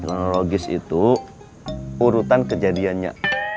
kronologis itu urutan kejadiannya